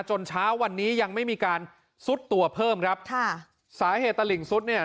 เช้าวันนี้ยังไม่มีการซุดตัวเพิ่มครับค่ะสาเหตุตะหลิ่งซุดเนี่ย